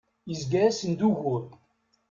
Izga-asen d ugur.